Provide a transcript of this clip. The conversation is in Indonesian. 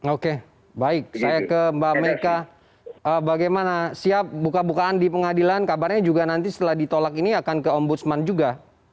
oke baik saya ke mbak meka bagaimana siap buka bukaan di pengadilan kabarnya juga nanti setelah ditolak ini akan ke ombudsman juga